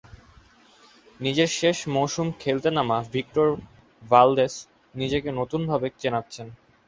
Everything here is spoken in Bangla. নিজের শেষ মৌসুম খেলতে নামা ভিক্টর ভালদেস নিজেকে যেন নতুনভাবে চেনাচ্ছেন।